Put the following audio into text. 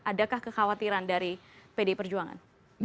adakah kekhawatiran dari pdi perjuangan